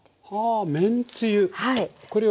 あめんつゆ。